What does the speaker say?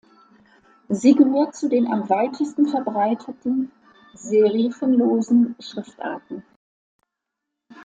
Sie gehört zu den am weitesten verbreiteten serifenlosen Schriftarten.